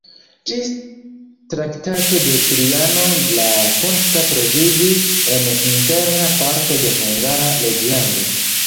Ĝis Traktato de Trianon la punkto troviĝis en interna parto de Hungara reĝlando.